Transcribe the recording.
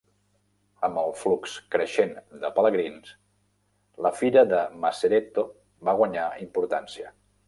Amb el flux creixent de pelegrins, la fira de Macereto va guanyar importància.